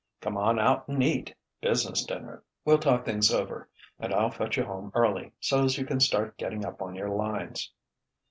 "Come on out and eat business dinner. We'll talk things over, and I'll fetch you home early, so's you can start getting up on your lines."